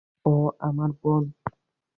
ও আমার বোন!